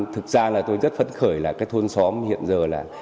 thực ra là tôi rất phấn khởi là cái thôn xóm hiện giờ là